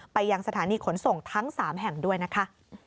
ไปยังสถานีขนส่งทั้ง๓แห่งด้วยนะคะ